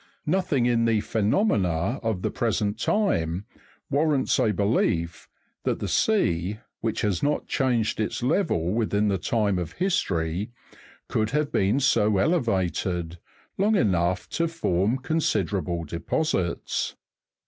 Nothing in the phenomena of the present time warrants a belief, that the sea, which has not changed its level within the time of history, could have been so elevated, long enough to form considerable deposits.